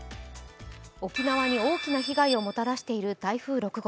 沖縄に大きな被害をもたらしている台風６号。